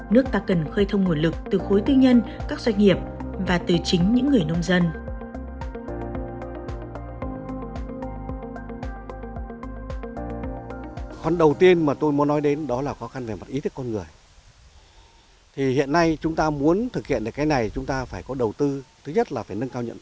nước ta cần khơi thông nguồn lực từ khối tư nhân các doanh nghiệp và từ chính những người nông dân